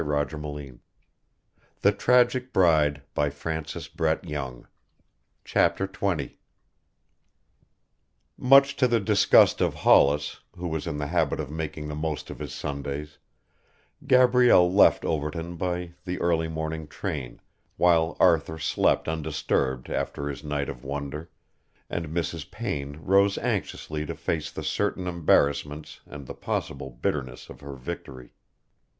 "I could love you," said Gabrielle. "You have Arthur's eyes...." Mrs. Payne left her. XX Much to the disgust of Hollis, who was in the habit of making the most of his Sundays, Gabrielle left Overton by the early morning train while Arthur slept undisturbed after his night of wonder, and Mrs. Payne rose anxiously to face the certain embarrassments and the possible bitterness of her victory.